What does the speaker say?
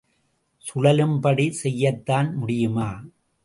சுழலும்படி செய்யத்தான் முடியுமா?